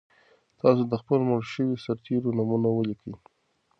تاسو د خپلو مړو شویو سرتېرو نومونه ولیکئ.